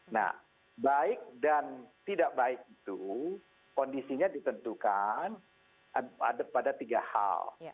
nah baik dan tidak baik itu kondisinya ditentukan pada tiga hal